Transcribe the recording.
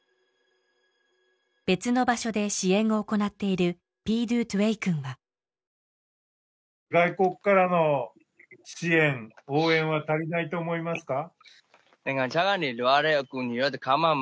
別の場所で支援を行っている外国からの支援応援は足りないと思いますか？